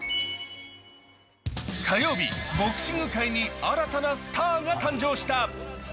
火曜日、ボクシング界に新たなスターが誕生した。